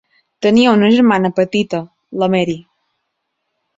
Tenia una germana petita, la Mary.